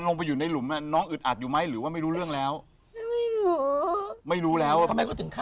ไม่รู้แล้วทำไมเขาถึงฆ่าหนูล่ะเอาจริงถามตรง